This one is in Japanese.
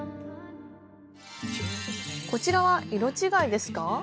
こちらは色違いですか？